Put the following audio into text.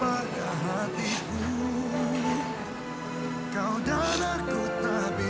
aku akan cari abi